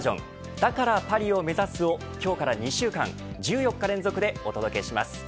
だからパリを目指す！を今日から２週間１４日連続でお届けします。